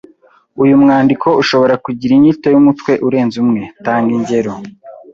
Uyu mwandiko ushobora kugira inyito y’umutwe urenze umwe tanga ingero